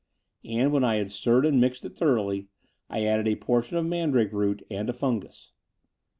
And, when I had stirred and mixed it thoroughly, I added a portion of man drake root, and a ftmgus.